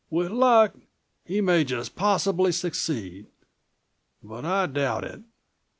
With luck, he may just possibly succeed. But I doubt it."